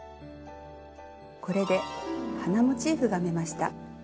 これで花モチーフが編めました。